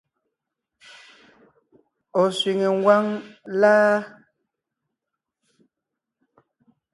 Ɔ̀ sẅiŋe ngwáŋ láa?